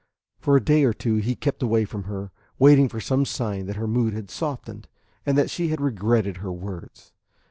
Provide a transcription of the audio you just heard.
For a day or two he kept away from her, waiting for some sign that her mood had softened and that she regretted her words.